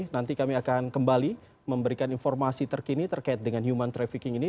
nanti kami akan kembali memberikan informasi terkini terkait dengan human trafficking ini